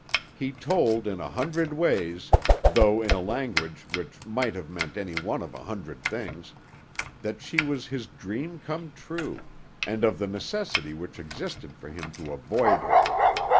He told in a hundred ways, though in language which might have meant any one of a hundred things, that she was his dream come true, and of the necessity which existed for him to avoid her.